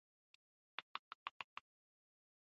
افغانستان کې کلتور د چاپېریال د تغیر یوه بله ډېره مهمه نښه ده.